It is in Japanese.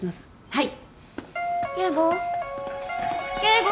はい。